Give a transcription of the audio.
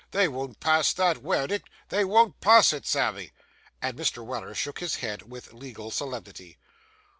They won't pass that werdick, they won't pass it, Sammy.' And Mr. Weller shook his head with legal solemnity.